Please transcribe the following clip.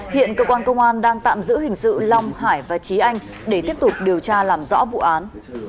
hiện cơ quan công an đang tạm giữ hình sự long hải và trí anh để tiếp tục điều tra làm rõ vụ án